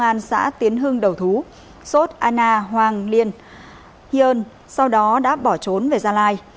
công an xã tiến hưng đầu thú sos anna hoang lien heon sau đó đã bỏ trốn về gia lai